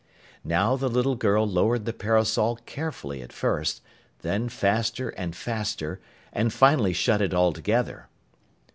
Now the little girl lowered the parasol carefully at first, then faster and faster and finally shut it altogether.